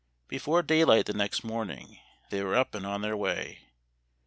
" Before daylight the next morning they were up and on their way.